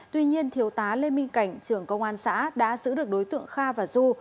tuy nhiên thiếu tá lê minh cảnh trưởng công an xã đã giữ được đối tượng kha và du